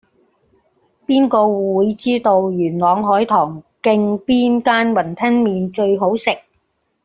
邊個會知道元朗海棠徑邊間雲吞麵最好食